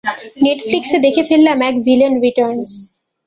নেটফ্লিক্সে দেখে ফেললাম এক ভিলেন রিটার্ন্স।